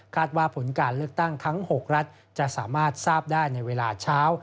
ว่าผลการเลือกตั้งทั้ง๖รัฐจะสามารถทราบได้ในเวลาเช้า